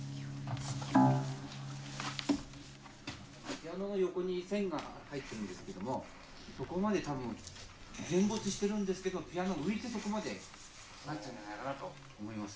ピアノの横に線が入ってるんですけどもそこまで多分全没してるんですけどピアノ浮いてそこまでなったんじゃないかなと思います。